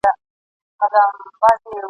چي ورته ناست دوستان یې ..